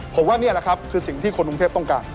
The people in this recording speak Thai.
ผมว่านี่แหละครับคือสิ่งที่คนกรุงเทพต้องการ